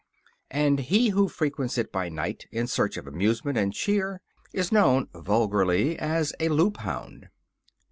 And he who frequents it by night in search of amusement and cheer is known, vulgarly, as a Loop hound.